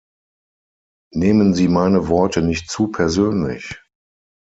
Nehmen Sie meine Worte nicht zu persönlich.